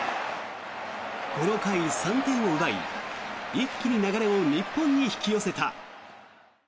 この回、３点を奪い一気に流れを日本に引き寄せた。